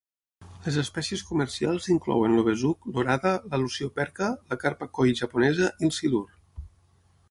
Les espècies comercials inclouen el besuc, l'orada, la lucioperca, la carpa koi japonesa i el silur.